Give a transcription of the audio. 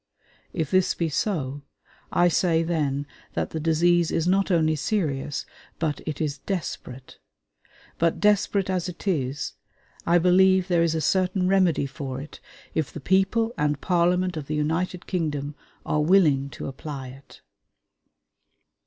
If this be so, I say then that the disease is not only serious, but it is desperate; but desperate as it is, I believe there is a certain remedy for it if the people and Parliament of the United Kingdom are willing to apply it....